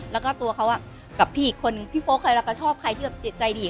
แล้วก็ตัวเขากับพี่อีกคนหนึ่งพี่โฟกค่ะแล้วก็ชอบใครที่แบบใจดี